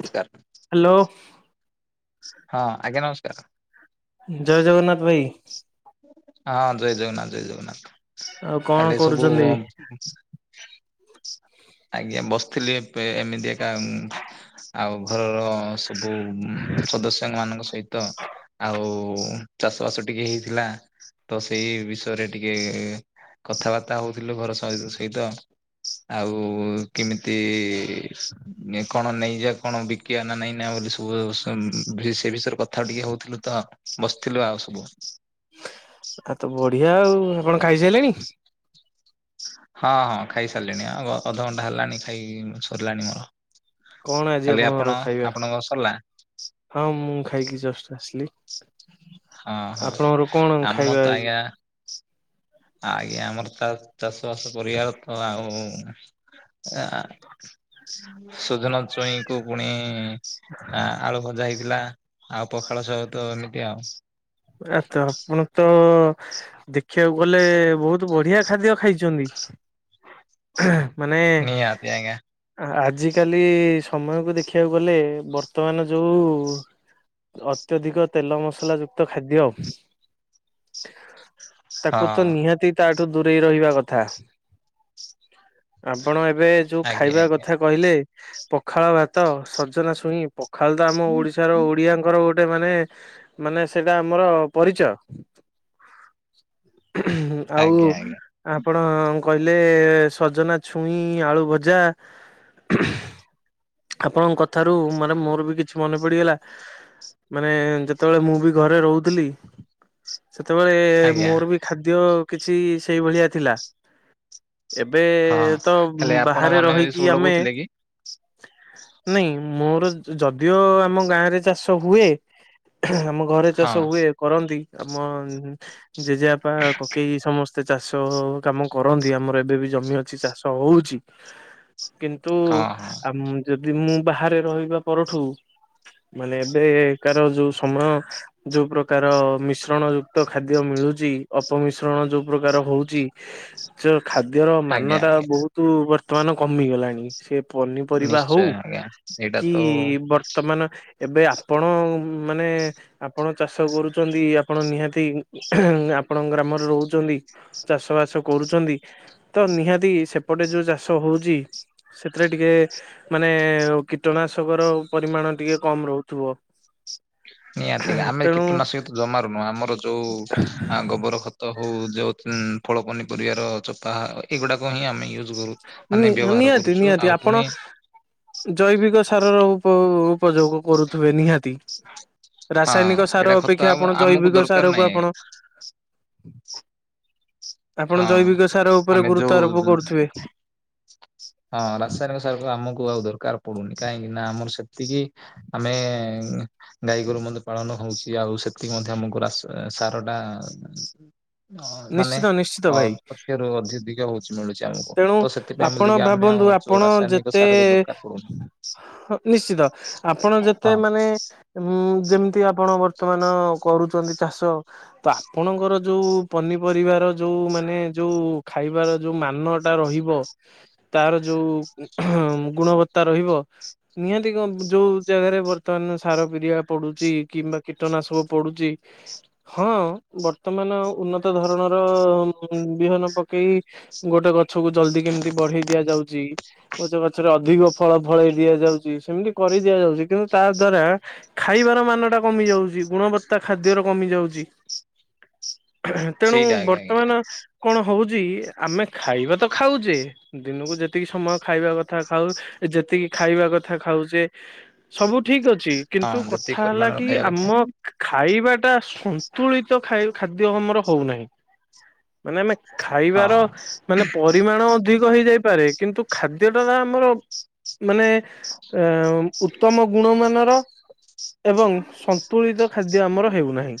ଆସ୍କାର। Hello. ହଁ ଆଜ୍ଞା ନମସ୍କାର। ଜୟ ଜଗନ୍ନାଥ ଭାଇ। ଆଁ ଜୟ ଜଗନ୍ନାଥ ଜୟ ଜଗନ୍ନାଥ ଆଉ କଣ ହାଲେ ସବୁ। [inaudible] କରୁଛନ୍ତି? ଆଜ୍ଞା ବସିଥିଲି ଏବେ ଏମିତି ଏକା ଉଁ ଆଉ ଘରର ସ ସବୁ ସଦସ୍ୟ ମାନଙ୍କ ସହିତ ଆଉ ଚାଷ ବାସ ଟିକେ ହେଇ ଥିଲା ତ ସେଇ ବିଷୟରେ ଟିକେ କଥାବାର୍ତ୍ତା ହଉଥିଲୁ ଘର ସ ସହିତ। ଆଉ କେମିତି କଣ ନେଇଯା କଣ ବିକ୍। କିଆ ନା ନାଇଁ ନା ବୋଲି ସବୁ ସେ ବିଷୟରେ କଥା ଟିକେ ହଉଥିଲୁ ତ ବସିଥିଲୁ ଆଉ ସବୁ। ଆ ତ ବଢିଆ ଆଉ ଆପଣ ଖାଇସାଇଲେଣି। ହଁ ଖାଇ ସାଇଲିଣି ଆଉ ଅଧଘଣ୍ଟା ହେଲାଣି ଖାଇ ସରଲାଣି ମୋର। କଣ ଆଜି ହେଲି ଆପଣଙ୍କର ଆପଣ ଖାଇବା? ଆପଣଙ୍କ ସରିଲା। ହଁ ମୁଁ ଖାଇକି ଚଷ୍ଟ ଆସିଲି ହଁ ହଁ ଆପଣଙ୍କର କଣ ଆମ ଖାଇବା ତ ଆଜ୍ଞା ଆଜି? ଆଜ୍ଞା ଆମର ତା ଚାଷ ବାସ କରିବାର ତ ଆଉ ଆ ସୁଜନା ସୁଇଁକୁ ପୁଣି ଆ, ଆଳୁ ଭଜା ହେଇଥିଲା, ଆଉ ପଖାଳ ସହିତ ଏମିତି ଆଉ। ରାତ ଆପଣ ତ ଦେଖିବାକୁ ଗଲେ-ଏ-ଏ ବହୁତ ବଢ଼ିଆ ଖାଦ୍ୟ ଖାଇଛନ୍ତି, ମାନେ ନିହାତି ଆଜ୍ଞା ଆଜିକାଲି ସମୟକୁ ଦେଖିବାକୁ ଗଲେ, ବର୍ତ୍ତମାନ ଯୋଉ ଅତ୍ୟଧିକ ତେଲ ମସଲା ଯ କ୍ତ ଖାଦ୍ୟ, ତାକୁ ହଁ ତ ନିହାତି ତାଠୁ ଦୂରେଇ ରହିବା କଥା। ଆପଣ ଏବେ ଯୋଉ ଆଜ୍ଞା ଖାଇବା ଆଜ୍ଞା। କଥା କହିଲେ, ପଖାଳ ଭାତ, ସଜନା ଛୁଇଁ ପଖାଳ ତ ଆମ ଓଡ଼ିଶାର ଓଡ଼ିଆଙ୍କର ଗୋଟେ ମାନେ, ମାନେ ସେଇଟା ଆମର ପରିଚୟ, ଆଉ ଆଜ୍ଞା ଆଜ୍ଞା ଆପଣ କହିଲେ, ସଜନା ଛୁଇଁ ଆଳୁ ଭଜା ଆପଣଙ୍କ କଥାରୁ ମାନେ ମୋର ବି କିଛି ମନେ ପଡିଗଲା ମାନେ ଯେତେବେଳେ ମୁଁ ବି ଘରେ ରହୁଥିଲି, ସେତେବେଳେ ଆଜ୍ଞା ମୋର ବି ଖାଦ୍ୟ କିଛି ସେଇ ଭଳିଆ ଥିଲା। ଏବେ ହଁ ତ ହେଲେ ଆପଣ ବାହାରେ ମାନେ ଏ ସବୁ ରହିକି ଆମେ ଲଗଉଥିଲେ କି? ନାଇଁ, ମୋର ଯଦିଓ ଆମ ଗାଁ ରେ ଚାଷ ହୁଏ ଆମ ଘରେ ଚାଷ ହଁ ହୁଏ, କରନ୍ତି ଆମ ଜେଜେବାପା, କକେଇ ସମସ୍ତ ତେ ଚାଷ କାମ କରନ୍ତି। ଆମର ଏବେ ବି ଜମି ଅଛି, ଚାଷ ହଉଛି, କି ନ୍ତୁ ହଁ ହଁ ଆମ ଯଦି ମୁଁ ବାହାରେ ରହିବା ପରଠୁ, ମାନେ ଏବେକାର ଯୋଉ ସମୟ ଯୋଉ ପ୍ରକାର ମିଶ୍ରଣ ଯୁକ୍ତ ଖାଦ୍ୟ ମିଳୁଛି, ଅପମିଶ୍ରଣ ଯୋଉ ପ୍ରକାର ହଉଛି। ଚ ଖାଦ୍ୟର ମାନ ଆଜ୍ଞା ଟା ଆଜ୍ଞା ବହୁତ ବର୍ତ୍ତମାନ କମିଗଲାଣି। ସେ ପନିପରିବା ନିଶ୍ଚୟ ହଉ, ଆଜ୍ଞା ଏଇଟା କି ତ ବର୍ତ୍ତମାନ ଏବେ ଆପଣ ଉମ ମାନେ ଆପଣ ଚାଷ କରୁଛନ୍ତି, ଆପଣ ନିହାତି ଆପଣଙ୍କ ଗ୍ରାମରେ ରହୁଛନ୍ତି। ଚାଷ ବାସ କରୁଛନ୍ତି, ତ ନିହାତି ସେପଟେ ଯୋଉ ଚାଷ ହଉଛି ସେଥିରେ ଟିକେ ମାନେ କୀଟନାଶକର ପରିମାଣ ଟିକେ କମ୍ ରହୁଥିବ। ନିହାତି ଆମେ ତେଣୁ କୀଟନାଶକ ତ ଜମାରୁ ନୁହଁ, ଆମର ଯୋଉ ଗୋବର ଖ ତ ହଉ ଯଉ ଫଳ ପନିପରିବାର ଚୋପା ଏଇଗୁଡାକ ହିଁ ଆମେ ୟୁଜ୍ କରୁ। ମାନେ ନି, ବ୍ୟବହାର ନିହାତି କରୁଛୁ ନିହାତି ଆଉ ଆପଣ ପୁଣି ଜୈବିକ ସାରର ଉପ ଉପଯୋଗ କରୁଥିବେ, ନିହାତି। ହଁ ରାସାୟନିକ ସାର ଏଇଟା ଖତ ଅପେକ୍ଷା ଆଉ ଆପଣ ଆମକୁ ଜୈବିକ ଦରକାର ସାର କୁ ନାହିଁ ଆପଣ ହଁ ଆପଣ ଜୈବିକ ସାର ଉପରେ ଆମେ ଯୋଉ ଗୁରୁତ୍ୱ ଆରୋପ କରୁଥିବେ। ହଁ, ରାସାୟନିକ ସାରକ ଆମକୁ ଆଉ ଦରକାର ପଡୁନି, କାହିଁକି ନା ଆମ ଆମର ସେତିକି ଆମେ ଗାଈ ଗୋରୁ ମଧ୍ୟ ପାଳନ ହଉଛି, ଆଉ ସେ ସେଠି ମଧ୍ୟ ଆମକୁ ରାସ ସାର ଟା ମାନେ ନିଶ୍ଚିତ ନିଶ୍ଚିତ ଅ ଭାଇ। ଟିକେ ରୁ ଅଧ୍ୟ୍ୟଧିକ ହଉ ମିଳୁଛି ଆମକୁ, ତେଣୁ ତ ସେଥିପାଇଁ ଆପଣ ବୁଲିକି ଆମେ ଭାବନ୍ତୁ ଆଉ ଆପଣ ରାସାୟନିକ ଯେତେ ସାର କୁ ଦରକାର ପଡୁନି। ନିଶ୍ଚିତ, ଆପଣ ଯେତେ ହଁ। ମାନେ ଉଁ, ଯେମିତି ଆପଣ ବର୍ତ୍ତମାନ କରୁଛନ୍ତି ଚାଷ। ତ ଆପଣଙ୍କର ଯୋଉ ପନିପରିବାର ଯୋଉ ମାନେ ଯୋଉ ଖାଇବାର ଯୋଉ ମା ନ ଟା ରହିବ, ତାର ଯୋଉ ଗୁଣବତ୍ତା ରହିବ। ନିହାତି, କଣ ଯୋଉ ଜାଗାରେ ବର୍ତ୍ତମାନ ସାର ପିିଡିଆ ପଡୁଛି କିମ୍ବା କୀଟନାଶକ ପଡୁଛି ହଁ, ବର୍ତ୍ତମାନ ଉନ୍ନତ ଧରଣର ବିହନ ପକେଇ ଗୋଟେ ଗଛ କୁ ଜଲଦି କେମିତି ବଢ଼େଇ ଦିଆଯାଉଛି, ଗୋଟେ ଗଛରେ ଅଧିକ ଫଳ ଫଳେଇ ଦିଆଯାଉଛି ସେମିତି କରି ଦିଆଯାଉଛି କିନ୍ତୁ ତା ଦ୍ଵାରା ଖାଇବାର ମାନ ଟା କମି ଯାଉଛି ଗୁଣବତ୍ତା ଖାଦ୍ୟ ର କମି ଯାଉଛି। ତେଣୁ ସେଇଟା ଆଜ୍ଞା ଆଜ୍ଞା ବର୍ତ୍ତମାନ କଣ ହଉଛି ଆମେ ଖାଇବା ତ ଖାଉଛେ। ଦିନକୁ ଯେତିକି ସମୟ ଖାଇବା କଥା ଖାଉ ଯେତିକି ଖାଇବା କଥା ଖାଉଛେ। ସବୁ ଠିକ ଅଛି କିନ୍ତୁ ହଁ କଥା ଯେତିକି ହେଲା ପରିମାଣର କି ଖାଇବା କଥା ଆମ ହଁ ଖାଇବା ଟା ସନ୍ତୁଳିତ ଖାଇ ଖାଦ୍ୟ ଆମର ହଉନାହିଁ ମାନେ ଆମେ ଖାଇବାର ମାନେ ପରିମାଣ ଅଧିକ ହେଇଯାଇପାରେ କିନ୍ତୁ ଖାଦ୍ୟ ଟା ଆମର ମାନେ ଆ ଉତ୍ତମ ଗୁଣ ମାନର ଏବଂ ସନ୍ତୁଳିତ ଖାଦ୍ୟ ଆମର ହେଉନାହିଁ।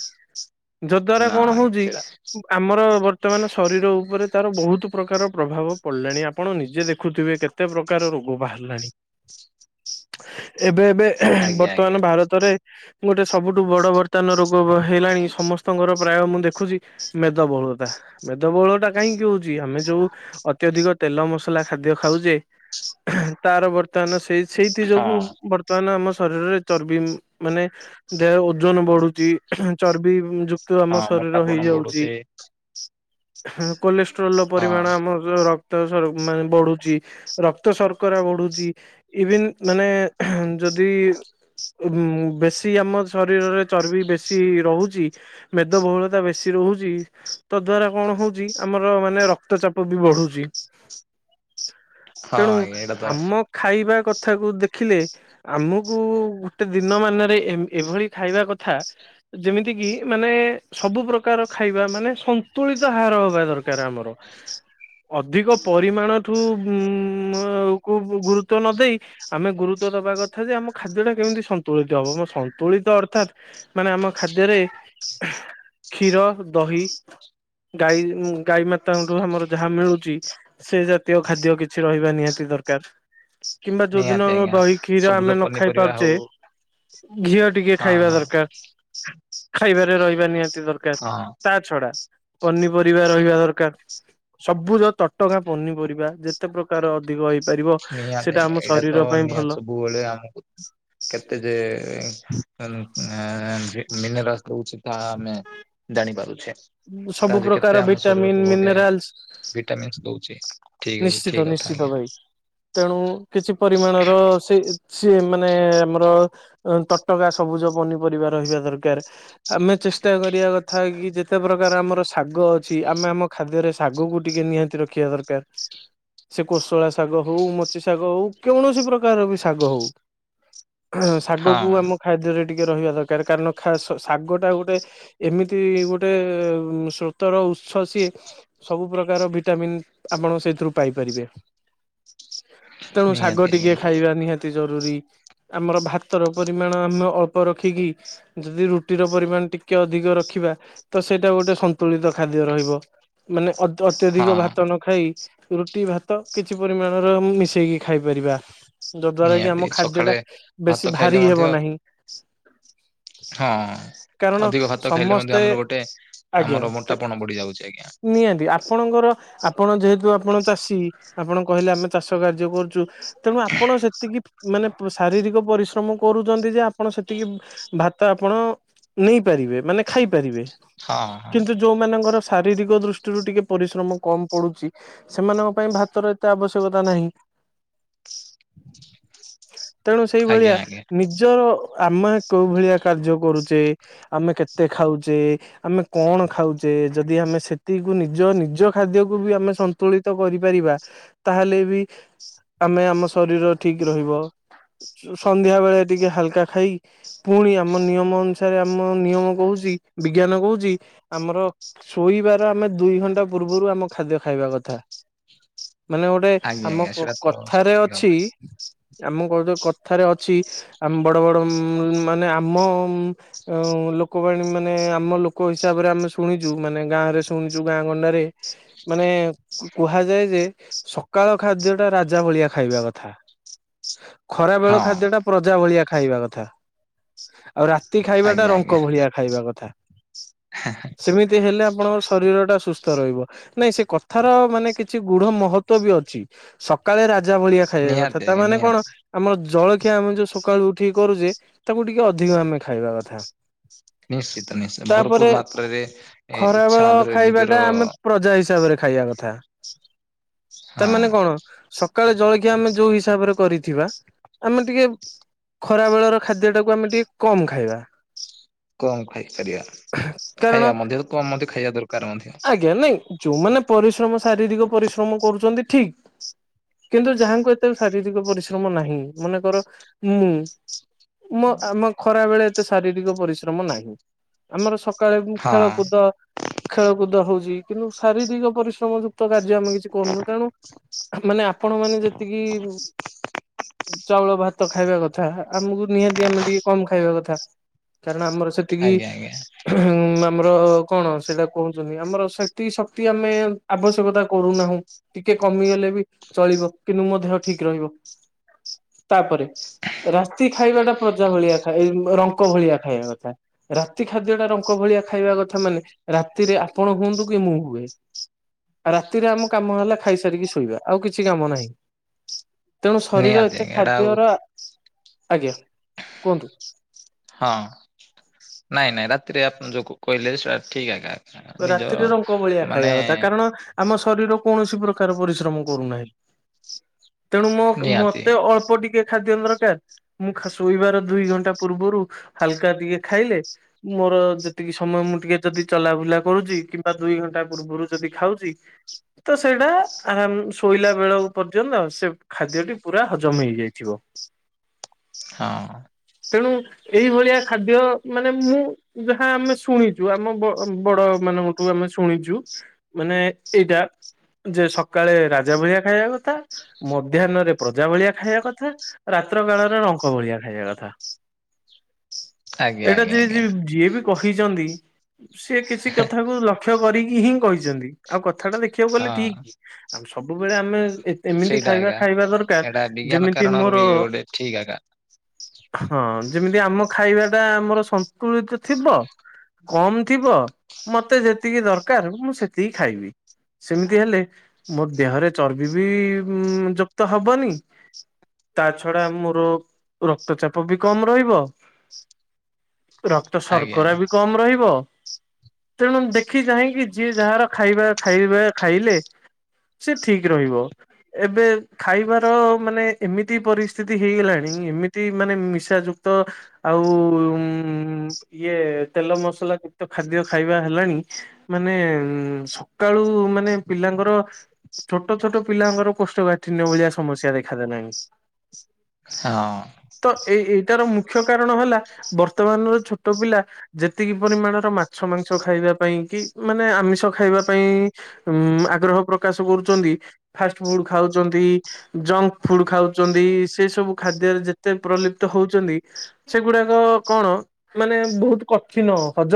ଯଦ୍ଵାରା ନା କଣ ଆଜ୍ଞା ହଉଛି ସେଇଟା। ଆମର ବର୍ତ୍ତମାନ ଶରୀର ଉପରେ ତାର ବହୁତ ପ୍ରକାର ପ୍ରଭାବ ପଡିଲାଣି ଆପଣ ନିଜେ ଦେଖୁଥିବେ କେତେ ପ୍ରକାର ରୋଗ ବାହାରିଲାଣି। ଏବେ ଏବେ ଆଜ୍ଞା ବର୍ତ୍ତମାନ ଆଜ୍ଞା ଭାରତରେ ଗୋଟେ ସବୁଠୁ ବଡ ବର୍ତ୍ତମାନ ରୋଗ ହେଲାଣି ସମସ୍ ଙ୍କର ପ୍ରାୟ ମୁଁ ଦେଖୁଛି ମେଦବହୁଳତା ମେଦବହୁଳ ଟା କାହିଁକି ହଉଛି ଆମେ ଯୋଉ ଅତ୍ୟା ଅଧିକ ତେଲ ମସଲା ଖାଦ୍ୟ ଖାଉଛେ ତାର ବର୍ତ୍ତମାନ ସେଇ ସେଇଥି ଯୋଗୁ ହଁ ମାନ ଆମ ଶରୀରରେ ଚର୍ବି ମାନେ ଦେହ ଓଜନ ବଢୁଛି ଚର୍ବି ତୁ ଆମ ହଁ ଶରୀର ମୋଟାପଣ ହେଇଯାଉଛି ବଢୁଛି କୋଲେଷ୍ଟ୍ରୋଲ ର ହଁ ପରିମାଣ ଆମ ରକ୍ତ ସ୍ ମାନେ ବଢୁଛି ରକ୍ତ ଶର୍କରା ବଢୁଛି। ଇଭିନ୍ ମାନେ ଯଦି ଉ ବେଶୀ ଆମ ଶରୀରରେ ଚର୍ବି ବେଶୀ ରହୁଛି। ମେଦବହୁଳତା ବେଶି ରହୁଛି ତଦ୍ଵାରା କଣ ହଉଛି ଆମର ମାନେ ର କ୍ତ ଚାପ ବି ବଢୁଛି ହଁ ତେଣୁ ଆଜ୍ଞା ଏଇଟା ତ ଆମ ଖାଇବା କଥାକୁ ଦେଖିଲେ ଆମକୁ ଗୋଟେ ଦିନ ମାନରେ ଏଭଳି ଖାଇବା କଥା ଯେମିତି କିି ମାନେ ସବୁ ପ୍ରକାର ଖାଇବା ମାନେ ସନ୍ତୁଳିତ ହାର ହବା ଦରକାର ଆମର। ଅଧିକ ପରିମାଣ ଠୁ [inaudible] କୁ ଗୁରୁତ୍ୱ ନ ଦେଇ ଆମେ ଗୁରୁତ୍ୱ ଦବା କଥା ଯେ ଆମ ଖାଦ୍ୟ ଟା କେମିତି ସନ୍ତୁଳିତ ହବ ମମ ସନ୍ତୁଳିତ ଅର୍ଥାତ୍ ମାନେ ଆମ ଖାଦ୍ୟରେ କ୍ଷୀର ଦହି ଗାଈ ଗାଈ ମା ତାଙ୍କଠୁ ଆମର ଯାହା ମିଳୁଛି ସେ ଜାତୀୟ ଖାଦ୍ୟ କିଛି ରହିବା ନିହାତି ଦରକାର। କିମ୍ବା ନିହାତି ଯୋଉଦିନମ ଆଜ୍ଞା ଦହି କ୍ଷୀର ସବୁଜ ଆମେ ନ ଖାଇ ପନିପରିବା ପାରୁଛେ ହଉ ଘିଅ ଟିକେ ହଁ ଖାଇବା ହଁ ଦରକାର। ଖାଇବାରେ ରହିବା ନିହାତି ଦରକାର ହଁ ତା ଛଡା ପନିପରିବା ରହିବା ଦରକାର। ସବୁଜ ତଟକା ପନିପରିବା ଯେତେ ପ୍ରକାର ଅଧିକ ହେଇପାରିବ ନିହାତି ସେଇଟା ଆମ ଏଇଡା ତ ଶରୀର ପାଇଁ ଭଲ ନିହାତି ସବୁବେଳୁ ଆମ କେତେ ଯେ ଏଁ ମିନରାସ ଦଉଛି ତାହା ଆମେ ଜାଣି ପାରୁଛେ ସବୁ ତା ଯେ ପ୍ରକାର କେତେ ଆମ ଭିଟାମିନ୍ ଶରୀରକୁ ଗୋଟେ ମିନେରାଲସ ଭିଟାମିନ୍ସ ଦଉଛି। ଠିକ୍ ଅ ନିଶ୍ଚିତ ଠିକ୍ କଥା ନିଶ୍ଚିତ ଆଜ୍ଞା। ଭାଇ ତେଣୁ କିଛି ପରିମାଣର ସେ ସେ ମାନେ ଆମର ଅ ତଟକା ସବୁଜ ପନିପରିବା ରହିବା ଦରକାର। ଆମେ ଚେଷ୍ଟା କରିବା କଥା କି ଯେତେ ପ୍ରକାର ଆମର ଶାଗ ଅଛି ଆମେ ଆମ ଖାଦ୍ୟରେ ଶାଗକୁ ଟିକେ ନିହାତି ରଖିବା ଦରକାର। ସେ କୋଶଳା ଶାଗ ହଉ ମୋଚି ଶାଗ ହଉ କୌଣସି ପ୍ରକାର ବି ଶାଗ ହଉ ଶାଗକୁ ହଁ ଆମ ଖାଦ୍ୟରେ ଟିକେ ରହିବା ଦରକାର କାରଣ ଶାଗଟା ଗୋଟେ ଏମିତି ଗୋଟେ ସ୍ରୋତର ଉତ୍ସ ସିଏ ସବୁ ପ୍ରକାର ଭିଟାମିନ ଆପଣ ସେଥିରୁ ପାଇପାରିବେ। ତେଣୁ ଶାଗ ନିହାତି ଟିକେ ଆଜ୍ଞା ଖାଇବା ନିହାତି ଜରୁରୀ। ଆମର ଭାତର ପରିମାଣ ଆମେ ଅଳ୍ପ ରଖିକି ଯଦି ରୁଟିର ପରିମାଣ ଟିକେ ଅଧିକ ରଖିବା ତ ସେଇଟା ଗୋଟେ ସନ୍ତୁଳିତ ଖାଦ୍ୟ ରହିବ। ମାନେ ଅତ୍ୟଧିକ ହଁ ଭାତ ନ ଖାଇ ରୁଟି ଭାତ କିଛି ପରିମାଣ ରମୁଁ ମିଶେଇକି ଖାଇପାରିବା। ଯଦ୍ଵାରା କି ନିହାତି ଆମ ଖାଦ୍ୟଟା ସକାଳେ ଭାତ ବେଶୀ ଖାଇଲେ ଭାରି ମଧ୍ୟ ହେବ ନାହିଁ। ହଁ କାରଣ ଅଧିକ ଭାତ ଖାଇଲେ ମଧ୍ୟ ସମସ୍ତେ ଆମର ଗୋଟେ ଆଜ୍ଞା ଆମର କେ ମୋଟାପଣ ବଢି ଯାଉଛି ଆଜ୍ଞା। ନିହାତି ଆପ ଆପଣଙ୍କର ଆପଣ ଯେହେତୁ ଆପଣ ଚାଷୀ ଆପଣ କହିଲେ ଆମେ ଚାଷ କାର୍ଯ୍ୟ କରୁଚୁ। ତେଣୁ ଆପଣ ସେତିକି ମାନେ ଶାରୀରିକ ପରିଶ୍ରମ କରୁଛନ୍ତି ଯେ ଆପଣ ସେତିକି ଭାତ ଆପଣ ନେଇପାରିବେ ମାନେ ଖାଇପାରିବେ। ହଁ ହଁ କିନ୍ତୁ ଯୋଉ ମାନଙ୍କର ଶାରୀରିକ ଦୃଷ୍ଟିରୁ ଟିକେ ପରିଶ୍ରମ କମ ପଡୁଛି ସେମାନଙ୍କ ପାଇଁ ଭାତର ଏତେ ଆବଶ୍ୟକତା ନାହିଁ। ତେଣୁ ଆଜ୍ଞା ସେଇଭଳିଆ ଆଜ୍ଞା ନିଜର ଆମେ କୋଉ ଭଳିଆ କାର୍ଯ୍ୟ କରୁଛେ ଆମେ କେତେ ଖାଉଛେ ଆମେ କଣ ଖାଉଛେ ଯଦି ଆମେ ସେତିକିକୁ ନିଜ ନିଜ ଖାଦ୍ୟକୁୁ ବି ଆମେ ସ ତୁଳିତ କରିପାରିବା ତାହେଲେ ବି ଆମେ ଆମ ଶରୀର ଠିକ ରହିବ। ସନ୍ଧ୍ୟା ବେଳେ ଟିକେ ହାଲକା ଖାଇ ପୁଣି ଆମ ନିୟମ ଅନୁସାରେ ଆମ ନିୟମ କହୁଛି ବିଜ୍ଞାନ କହୁଛି ଆମର ଶୋଇବାର ଆମେ ଦୁଇ ଘଣ୍ଟା ପୂର୍ବରୁ ଆମ ଖାଦ୍ୟ ଖାଇବା କଥା। ମାନେ ଗୋଟେ ଆଜ୍ଞା ଆମ ଆଜ୍ଞା ସେଇଟା ତ କଥାରେ ସଠିକ ଅଛି ଭାବରେ ଆମ କଡ଼ କଥାରେ ଅଛି ଆମ ବଡ ବଡ ମାନେ ଆମମ୍ ଆଉ ଲୋକବାଣୀ ମାନେ ଆମ ଲୋକ ହିସାବରେ ଆମେ ଶୁଣିଛୁ ମାନେ ଗାଁରେ ଶୁଣିଛୁ ଗାଁ ଗଣ୍ଡାରେ ମାନେ କୁହାଯାଏ ଯେ ସକାଳ ଖାଦ୍ୟଟା ରାଜା ଭଳିଆ ଖାଇବା କଥା। ଖରା ବେଳ ହଁ ଖାଦ୍ୟଟା ପ୍ରଜା ଭଳିଆ ଖାଇବା କଥା ଆଉ ରାତ ଖାଇବାଟା ଆଜ୍ଞା ରଙ୍କ ଆଜ୍ଞା ଭଳିଆ ଖାଇବା କଥା ସେମିତି ଏମତି ହେଲେ ଆପଣଙ୍କ ଶରୀର ଟା ସୁସ୍ଥ ରହିବ ନାଇଁ ସେ କ କଥାର ମାନେ କିଛି ଗୁଢ ମହତ୍ୱ ବି ଅଛି ସକାଳେ ରାଜା ଭଳିଆ ଖାଇବା ନିହାତି କଥା ଆଜ୍ଞା ତାମାନେ କଣ ନିହାତି ଆମର ଜଳଖିଆ ଆମେ ଯୋଉ ସକାଳୁ ଉଠିକି କରୁଛେ ତାକୁ ଟିକେ ଅଧିକ ଆମେ ଖାଇବା କଥା। ନିଶ୍ଚିତ ନିଶ୍ଚିତ ତାପରେ ଭରପୁର ମାତ୍ରାରେ ଖରା ବେଳ ଇଚ୍ଛା ଧରେ ଖାଇବା ଟା ନିଜର ଆମେ ପ୍ରଜା ହିସାବରେ ଖାଇବା କଥା ହଁ ତାମାନେ କଣ ସକାଳେ ଜଳଖିଆ ଆମେ ଯୋଉ ହିସାବରେ କରିଥିବା ଆମେ ଟିକେ ଖରା ବେଳର ଖାଦ୍ୟଟାକୁ ଆମେ ଟିକେ କମ ଖାଇବା। କମ ଖାଇପାରିବା କାରଣ ଖାଇବା ମଧ୍ୟ କମ ମଧ୍ୟ ଖାଇବା ଦରକାର ମଧ୍ୟ। ଆଜ୍ଞା ନାଇଁ ଯୋଉମାନେ ପରିଶ୍ରମ ଶାରୀରିକ ପରିଶ୍ରମ କରୁଛନ୍ତି ଠିକ। କିନ୍ତୁ ଯାହାଙ୍କୁ ଏତେ ଶାରୀରିକ ପରିଶ୍ରମ ନାହିଁ ମନେକର ମୁଁ ମୋ ଆମ ଖରା ବେଳେ ଏତେ ଶାରୀରିକ ପରିଶ୍ରମ ନାହିଁ। ଆମର ସକାଳେ ମୁଁ ହଁ ଖେଳକୁଦ ଖେଳକୁଦ ହଉଛି କିନ୍ତୁ ଶାରୀରିକ ପରିଶ୍ରମ ଯୁକ୍ତ କାର୍ଯ୍ୟ ଆମେ କିଛି କରୁନୁ ତେଣୁ ମାନେ ଆପଣ ମାନେ ଯେତିକି ଚାଉଳ ଭାତ ଖାଇବା କଥା ଆମକୁ ନିହାତି ଆମେ ଟିକେ କମ ଖାଇବା କଥା। କାରଣ ଆମର ସେତିକି। ଆଜ୍ଞା ଆଜ୍ଞା ହୁଁ ଉଁ ଆମର କଣ ସେଇଟା କହୁଛନ୍ତି ଆମର ସେତିକ ଶକ୍ତି ଆମେ ଆବଶ୍ୟକତା କରୁନାହୁଁ ଟିକେ କମିଗଲେ ବି ଚଳିବ କିନ୍ତୁ ମୋ ଦେହ ଠିକ୍ ରହିବ। ତାପରେ ରାତି ଖାଇବା ଟା ପ୍ରଜା ଭଳିଆ ଖାଇ ରଙ୍କ ଭଳିଆ ଖାଇବା କଥା। ରାତି ଖାଦ୍ୟ ଟା ରଙ୍କ ଭଳିଆ ଖାଇବା କଥା ମାନେ ରାତିରେ ଆପଣ ହୁଅନ୍ତୁ କି ମୁଁ ହୁଏ। ରାତିରେ ଆମ କାମ ହେଲା ଖାଇସାରିକି ଶୋଇବା ଆଉ କିଛି କାମ ନାହିଁ। ତେଣୁ ଶରୀର ନିହାତି ଏତେ ଆଜ୍ଞା ଏଇଟା ଆଉ ଖାଦ୍ୟର ଆଜ୍ଞା କୁହନ୍ତୁ। ହଁ ନାଇଁ ନାଇଁ ରାତିରେ ଆପଣ ଯୋଉ କହିଲେ ସେଟା ଠିକ୍ ଆଗା ରାତିରେ ରଙ୍କ ଭଳିଆ ଖାଇବା କଥା କାରଣ ଆମ ଶରୀର କୌଣସି ପ୍ରକାର ପରିଶ୍ରମ କରୁନାହିଁ। ତେଣୁ ମୋ ନିହାତି ମତେ ଅଳ୍ପ ଟିକେ ଖାଦ୍ୟ ଦରକାର୍। ମୁଁ ଶୋଇବାର ଦୁଇ ଘଣ୍ଟା ପୂର୍ବରୁ ହାଲକା ଟିକେ ଖାଇଲେ। ମୋର ଯେତିକି ସମୟ ମୁଁ ଟିକେ ଯଦି ଚଲାବୁଲା। କରୁଛି କିମ୍ବା ଦୁଇ ଘଣ୍ଟା ପୂର୍ବରୁ ଯଦି ଖାଉଛି। ତ ସେଇଟା ଆ ଶୋଇଲା ବେଳକୁ ପର୍ଯ୍ୟନ୍ତ ସେ ଖାଦ୍ୟ ଟି ପୁରା ହଜମ୍ ହେଇଯାଇଥିବ। ହଁ। ତେଣୁ ଏଇଭଳିଆ ଖାଦ୍ୟ ମାନେ ମୁଁ ଯାହା ଆମେ ଶୁଣିଛୁ ଆମ ବ- ବଡ। ମାନଙ୍କଠୁ ଆମେ ଶୁଣିଛୁ ମାନେ ଏଟା ଯେ ସକାଳେ ରାଜା ଭହିଆ ଖାଇବା କଥା। ମଧ୍ୟାହ୍ନରେ ପ୍ରଜା ଭଳିଆ ଖାଇବା କଥା, ରାତ୍ର କାଳରେ ରଙ୍କ ଭଳିଆ ଖାଇବା କଥା। ଆଜ୍ଞା ଏଟା ଆଜ୍ଞା ଯି- ଆଜ୍ଞା ଯି-ଯିଏ ବି କହିଛନ୍ତି ସିଏ କିଛି କଥାକୁ ଲକ୍ଷ୍ୟ କରିକି ହିଁ କହିଛନ୍ତି, ଆଉ କଥାଟା ଦେଖିବାକୁ ଗଲେ ଠିକ୍ ହଁ ଆ ସବୁବେଳେ ଆମେ ଏମିତି ସେଇଟା ଖାଇବା ଆଜ୍ଞା ଖାଇବା ଦରକାର୍ ଏଇଟା ବିଜ୍ଞାନ ଯେମିତି କାରଣରୁ ବି ମୋର। ଗୋଟେ ଠିକ୍ ଆଜ୍ଞା ହଁ ଯେମିତି ଆମ ଖାଇବା ଟା ଆମର ସନ୍ତୁଳିତ ଥିବ କମ୍ ଥିବ ମତେ ଯେତିକି ଦରକାର୍ ମୁଁ ସେତିକି ଖାଇବି। ସେମିତି ହେଲେ ମୋ ଦେହରେ ଚର୍ବି ବି ଯୁକ୍ତ ହବନି। ତା ଛଡା ମୋର ରକ୍ତ ଚାପ ବି କମ୍ ରହିବ। ରକ୍ତ ଆଜ୍ଞା ଶର୍କରା ବି କମ୍ ରହିବ। ତେଣୁ ଦେଖି ଚାହିଁକି ଯିଏ ଯାହାର ଖାଇବା ଖାଇବା ଖାଇଲେ। ସେ ଠିକ୍ ରହିବ। ଏବେ ଖାଇବାର ମାନେ ଏମିତି ପରିସ୍ଥିତି ହେଇଗଲାଣି ଏମିତି ମାନେ ମିଶା ଯୋଗ୍ ତ ଆଉ-ଉ-ଉଁ ଇଏ ତେଲ ମସଲା ଯେତ ଖାଦ୍ୟ ଖାଇବା ହେଲାଣି ମାନେ ଉଁ ସକାଳୁ ମାନେ ପିଲାଙ୍କର। ଛୋଟ ଛୋଟ ପିଲାଙ୍କର କୋଷ୍ଠକାଠିିନନ୍ୟ ଭଳିଆ ସମସ୍ୟା ଦେଖାଦେଲାଣି। ମା ଅଁ। ତ ଏଇ ଏଇଟାର ମୁଖ୍ୟ କାରଣ ହେଲା ବର୍ତ୍ତମାନର ଛୋଟ ପିଲା। ଯେତିକି ପରିମାଣର ମାଛ ମାଂସ ଖାଇବା ପାଇଁ କି ମାନେ ଆମିଷ ଖାଇବା ପାଇଁ ଉଁ ଆଗ୍ରହ ପ୍ରକାଶ କରୁଛନ୍ତି, ଫାଷ୍ଟ ଫୁଡ୍ ଖାଉଚନ୍ତି। ଜଙ୍କ୍ ଫୁଡ୍ ଖାଉଛନ୍ତି, ସେ ସବୁ ଖାଦ୍ୟରେ ଯେତେ ପ୍ରଲୁପ୍ତ ହୋଉଚନ୍ତି। ସେଗୁଡାକ କଣ ମାନେ ବୋହୁତ୍ କଠିନ ହଜମ୍